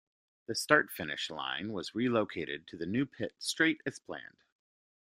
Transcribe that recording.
The start-finish line was relocated to the new pit straight as planned.